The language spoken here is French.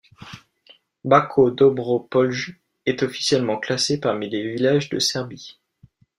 Bačko Dobro Polje est officiellement classé parmi les villages de Serbie.